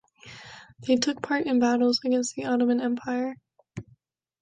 They took part in battles against the Ottoman Empire.